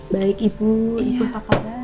baik ibu ibu papa